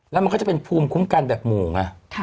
แล้วมันก็จะเป็นภูมิคุ้มกันแบบหมู่ไง